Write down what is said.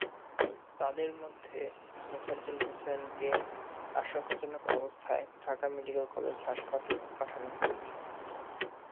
তাঁদের মধ্যে মোফাজ্জল হোসেনকে আশঙ্কাজনক অবস্থায় ঢাকা মেডিকেল কলেজ হাসপাতালে পাঠানো হয়েছে।